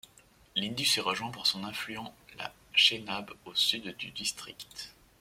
L'Indus est rejoint par son affluent la Chenab au sud du district.